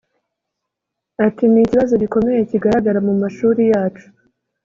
Ati « Ni ikibazo gikomeye kigaragara mu mashuri yacu